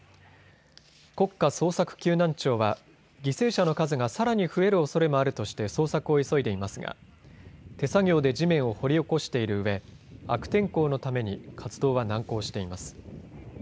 国家捜索救難庁は犠牲者の数がさらに増えるおそれもあるとして捜索を急いでいますが手作業で地面を掘り起こしているうえ悪天候のために活動は難航しています。